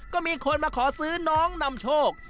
ก็มีคนมาขอซื้อน้องนำโชค